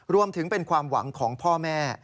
รวมถึงเป็นความหวังของพ่อแม่